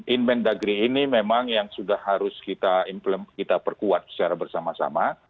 inmen dagri ini memang yang sudah harus kita perkuat secara bersama sama